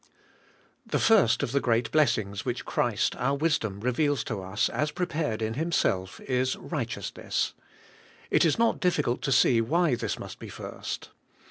THE first of the great blessings which Christ our wisdom reveals to us as prepared in Himself, is — Kighteousness. It is not difficult to see why this must be first.